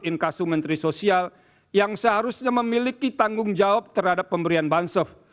inkasu menteri sosial yang seharusnya memiliki tanggung jawab terhadap pemberian bansof